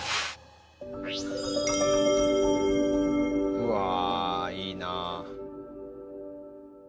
うわあいいなあ。